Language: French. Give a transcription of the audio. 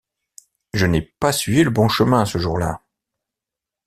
Je n’ai pas suivi le bon chemin ce jour-là.